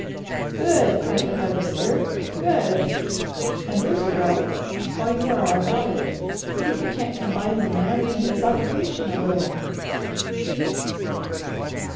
"Good!" cried the Harvester. "Good! And Ruth girl, while you are about it, see if you can't combine the man and his occupation a little."